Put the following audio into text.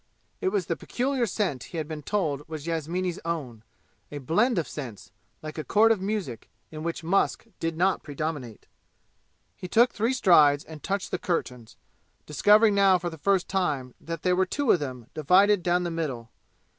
It was the peculiar scent he had been told was Yasmini's own a blend of scents, like a chord of music, in which musk did not predominate. He took three strides and touched the curtains, discovering now for the first time that there were two of them, divided down the middle.